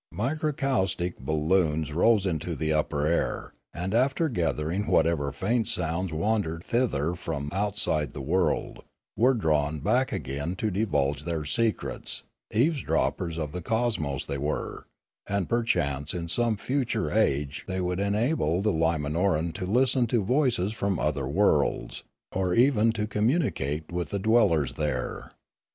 Mikrakoustic balloons rose into the upper air, and after gathering whatever faint sounds wandered thither from outside the world, were drawn back again to divulge their secrets; eavesdroppers of the cosmos they were, and perchance in some future age they would enable the Limanoran to listen to 256 Limanora voices from other worlds or even to communicate with the dwellers there.